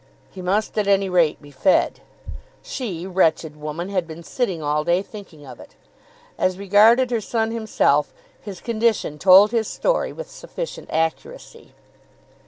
He must at any rate be fed. She, wretched woman, had been sitting all day, thinking of it. As regarded her son himself, his condition told his story with sufficient accuracy.